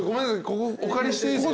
ここお借りしていいですか？